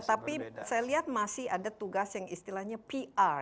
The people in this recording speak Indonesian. tapi saya lihat masih ada tugas yang istilahnya pr